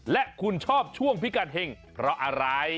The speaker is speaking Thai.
และคุณชอบช่วงพิกัดเห็งเพราะอะไร